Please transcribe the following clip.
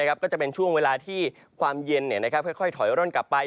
ก็จะเป็นช่วงเวลาที่ความเย็นค่อยถอยร่นกลับไป